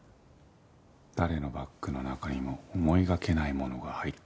誰のバッグの中にも思いがけないものが入ってますから。